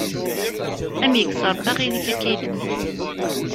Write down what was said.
Ad am-yekkes Ṛebbi aɣilif akka iyi-t-tekkseḍ.